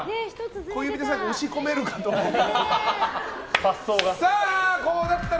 小指で最後押し込めるかと思ったら。